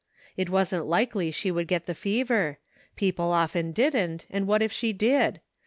It wasn't likely she would get the fever ; people often didn't, and what if she did?